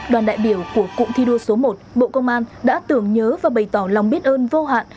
đoàn đại biểu của cụm thi đua số một bộ công an đã tưởng nhớ và bày tỏ lòng biết ơn vô hạn